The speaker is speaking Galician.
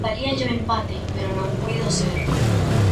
Valíalle o empate, pero non puido ser.